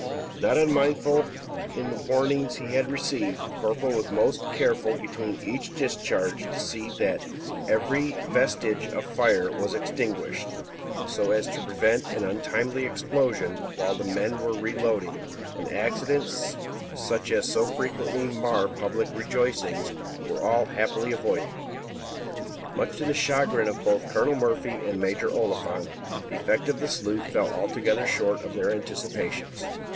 Not unmindful of the warning he had received, the corporal was most careful between each discharge to see that every vestige of fire was extinguished, so as to prevent an untimely explosion while the men were reloading; and accidents, such as so frequently mar public rejoicings, were all happily avoided. Much to the chagrin of both Colonel Murphy and Major Oliphant, the effect of the salute fell altogether short of their anticipations.